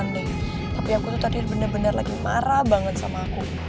marah banget sama aku tapi aku tadi bener bener lagi marah banget sama aku